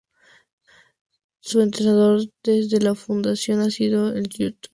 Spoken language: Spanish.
Su entrenador desde la fundación ha sido el profesor Yamandú Sosa.